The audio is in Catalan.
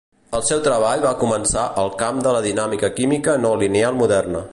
El seu treball va començar el camp de la dinàmica química no lineal moderna.